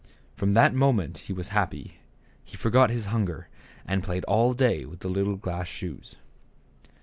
From that moment he was happy ; he forgot his hunger, and played all day with the little glass shoes.